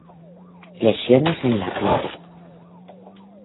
Lesiones en la piel.